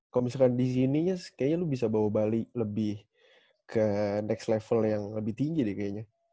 kalau misalkan di sini ya kayaknya lu bisa bawa bali lebih ke next level yang lebih tinggi deh kayaknya